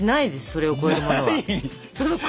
それを超えるものはないです。